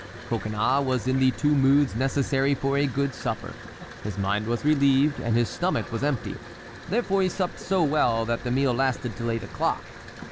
Coconnas was in the two moods necessary for a good supper—his mind was relieved and his stomach was empty; therefore he supped so well that the meal lasted till eight o'clock.